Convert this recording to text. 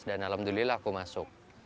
dan alhamdulillah aku masuk